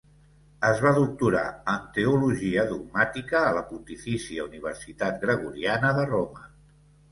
Es va doctorar en teologia dogmàtica a la Pontifícia Universitat Gregoriana de Roma.